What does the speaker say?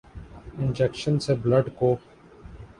injection سے blood کو